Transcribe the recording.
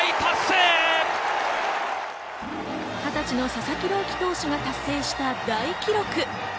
２０歳の佐々木朗希投手が達成した大記録。